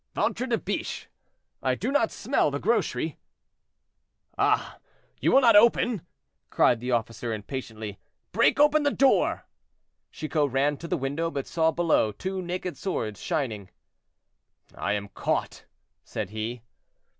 "Ventre de biche! I do not smell the grocery." "Ah! you will not open?" cried the officer, impatiently. "Break open the door." Chicot ran to the window, but saw below two naked swords shining. "I am caught," said he.